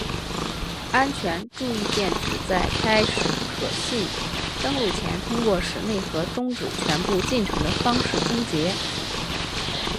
安全注意键旨在在开始可信登录前通过使内核终止全部进程的方式终结。